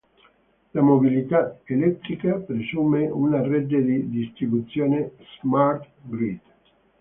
La mobilità elettrica presume una rete di distribuzione "smart grid".